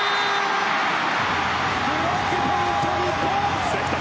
ブロックポイント日本。